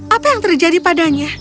apa yang terjadi padanya